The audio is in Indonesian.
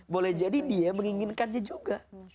boleh jadi dia menginginkannya juga